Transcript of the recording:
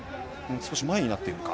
少し前になっているか。